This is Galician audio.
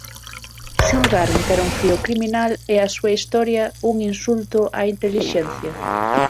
Xulgaron que era un frío criminal, e a súa historia, un insulto á intelixencia.